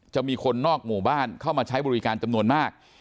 มีคนนอกหมู่บ้านเข้ามาใช้บริการจำนวนมาก